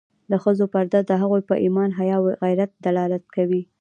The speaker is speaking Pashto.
د ښځو پرده د هغوی په ایمان، حیا او غیرت دلالت کوي.